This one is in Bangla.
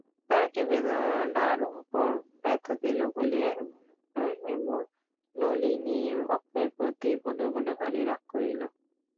তাহাকে বেদনার উপর ব্যথা দিল বলিয়া হেমনলিনী অক্ষয়ের প্রতি মনে মনে ভারি রাগ করিল।